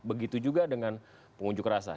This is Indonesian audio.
begitu juga dengan pengunjuk rasa